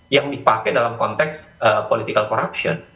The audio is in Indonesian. yang dipakai dalam konteks political corruption